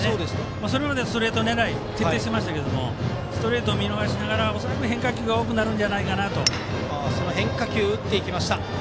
それまでストレート狙いを徹底していましたがストレートを見逃しながら恐らく変化球が多くなるぞと。